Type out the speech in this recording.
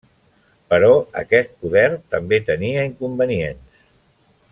Però aquest poder també tenia inconvenients.